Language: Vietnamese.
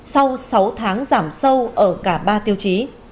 sau sáu tháng giảm sâu ở cả ba tiêu chí